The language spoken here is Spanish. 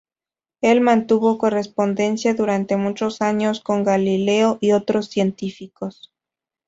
Él mantuvo correspondencia durante muchos años con Galileo y otros científicos.